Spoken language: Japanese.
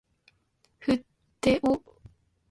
筆を執とっても心持は同じ事である。